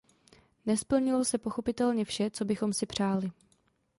Nesplnilo se pochopitelně vše, co bychom si přáli.